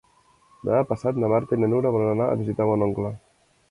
Demà passat na Marta i na Nura volen anar a visitar mon oncle.